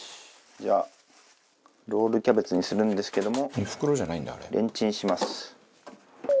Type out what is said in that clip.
じゃあロールキャベツにするんですけどもレンチンします。